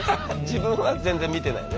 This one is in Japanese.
自分は全然見てないの？